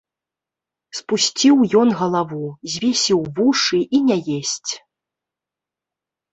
Спусціў ён галаву, звесіў вушы і не есць.